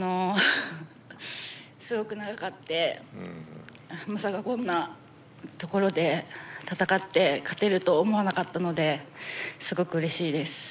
すごく長くてまさかこんなところで戦って勝てると思わなかったのですごくうれしいです。